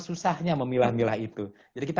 susahnya memilah milah itu jadi kita